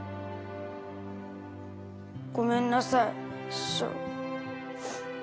ごめんなさい師匠。